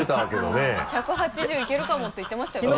１８０いけるかもって言ってましたよね。